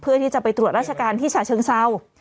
เพื่อที่จะไปตรวจราชการที่ฉะเชิงเศร้า